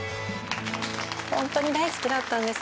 ホントに大好きだったんですね。